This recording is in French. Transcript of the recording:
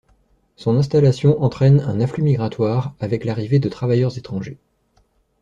Son installation entraîne un afflux migratoire, avec l'arrivée de travailleurs étrangers.